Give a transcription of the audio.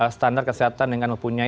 standar kesehatan dengan mempunyai